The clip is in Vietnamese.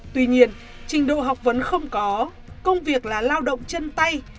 tuy nhiên trình độ học vấn không có công việc là lao động chân tay